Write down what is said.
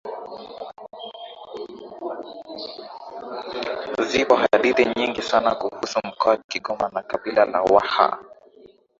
Zipo hadithi nyingi sana kuhusu Mkoa wa Kigoma na kabila la Waha